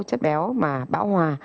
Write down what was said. chất béo mà bão hòa